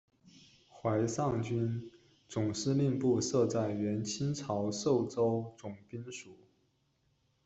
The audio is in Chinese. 淮上军总司令部设在原清朝寿州总兵署。